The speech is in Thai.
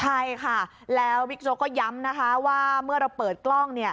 ใช่ค่ะแล้วบิ๊กโจ๊กก็ย้ำนะคะว่าเมื่อเราเปิดกล้อง